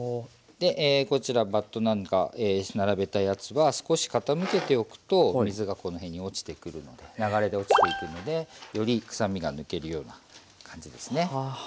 でこちらバットなんか並べたやつは少し傾けておくと水がこの辺に落ちてくるので流れで落ちていくのでよりくさみが抜けるような感じですね。